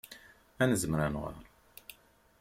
Ad nezmer ad nɣer.